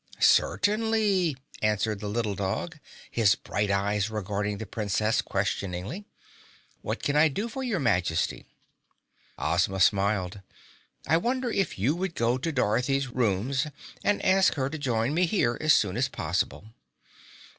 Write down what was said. "Certainly," answered the little dog, his bright eyes regarding the Princess questioningly. "What can I do for your Majesty?" Ozma smiled. "I wonder if you would go to Dorothy's rooms and ask her to join me here as soon as possible."